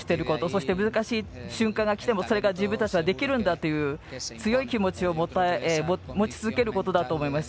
そして難しい瞬間が来てもそれが自分たちにはできるんだという強い気持ちを持ち続けることだと思います。